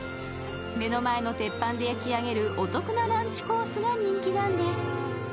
目の前の鉄板で焼き上げるお得なランチコースが人気なんです。